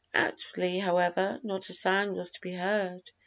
Outwardly, however, not a sound was to be heard.